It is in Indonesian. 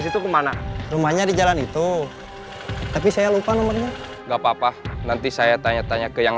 situ kemana rumahnya di jalan itu tapi saya lupa nomornya nggak papa nanti saya tanya tanya ke yang